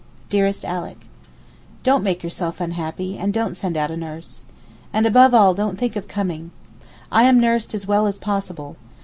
DEAREST ALICK, Don't make yourself unhappy, and don't send out a nurse. And above all don't think of coming. I am nursed as well as possible.